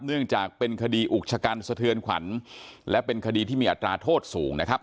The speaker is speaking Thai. เนื่องจากเป็นคดีอุกชะกันสะเทือนขวัญและเป็นคดีที่มีอัตราโทษสูงนะครับ